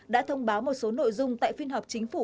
đã thông báo một số nội dung tại phiên họp chính phủ